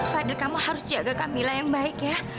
fadil kamu harus jaga kamila yang baik ya